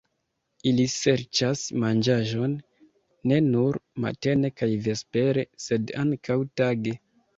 Ili serĉas manĝaĵon ne nur matene kaj vespere, sed ankaŭ tage.